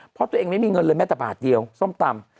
เพราะตัวเองไม่มีเงินเลยแม้แต่บาทเดียวส้มตำ